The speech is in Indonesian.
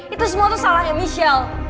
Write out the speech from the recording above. itu semua tuh salahnya michelle